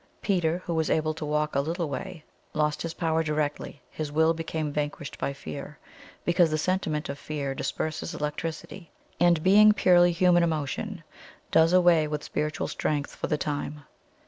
Peter, who was able to walk a little way, lost his power directly his will became vanquished by fear because the sentiment of fear disperses electricity, and being purely HUMAN emotion, does away with spiritual strength for the time.